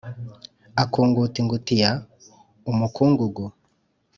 Akunguta ingutiya umukungugu